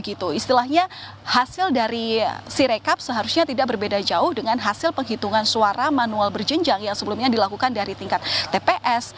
istilahnya hasil dari sirekap seharusnya tidak berbeda jauh dengan hasil penghitungan suara manual berjenjang yang sebelumnya dilakukan dari tingkat tps